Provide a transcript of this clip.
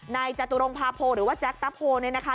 ในจตุรงพาโภว์หรือว่าแจ๊กปั๊บโภว์นี่นะคะ